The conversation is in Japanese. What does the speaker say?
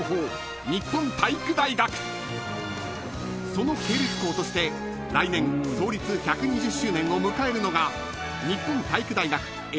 ［その系列校として来年創立１２０周年を迎えるのが］